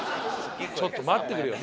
ちょっと待ってくれよ。